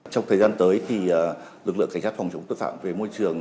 trong thời gian tới thì lực lượng cảnh sát phòng chống tội phạm về môi trường